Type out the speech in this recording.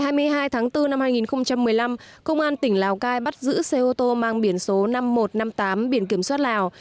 khoảng hai mươi hai h ngày hai mươi hai tháng bốn năm hai nghìn một mươi năm công an tỉnh lào cai bắt giữ xe ô tô mang biển số năm nghìn một trăm năm mươi tám biển kiểm soát lào